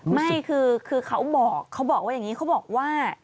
ไม่คือเขาบอกเขาบอกว่าอย่างนี้เขาบอกว่า